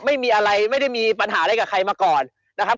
ไม่มีอะไรไม่ได้มีปัญหาอะไรกับใครมาก่อนนะครับ